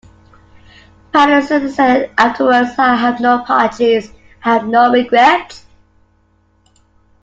Patterson said afterwards, I have no apologies, and I have no regrets.